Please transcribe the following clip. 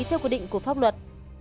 theo quy định của pháp luật